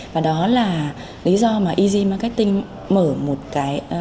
và đó là lý do mà easy marketing mở một cái